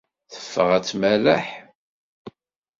Teffeɣ ad tmerreḥ.